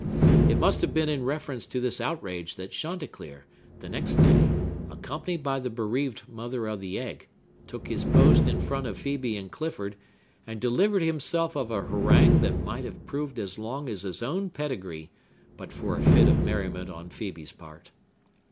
It must have been in reference to this outrage that Chanticleer, the next day, accompanied by the bereaved mother of the egg, took his post in front of Phœbe and Clifford, and delivered himself of a harangue that might have proved as long as his own pedigree, but for a fit of merriment on Phœbe's part.